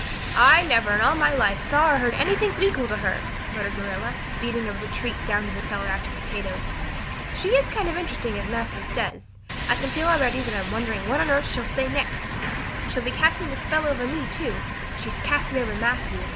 "I never in all my life saw or heard anything to equal her," muttered Marilla, beating a retreat down to the cellar after potatoes. "She is kind of interesting as Matthew says. I can feel already that I'm wondering what on earth she'll say next. She'll be casting a spell over me, too. She's cast it over Matthew.